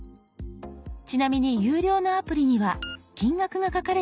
ちなみに有料のアプリには金額が書かれています。